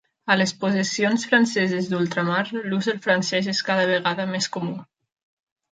A les possessions franceses d'ultramar, l'ús del francès és cada vegada més comú.